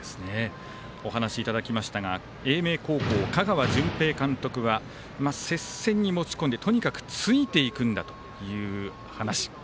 お話いただきましたが英明高校、香川純平監督は接戦に持ち込んでとにかくついていくんだという話。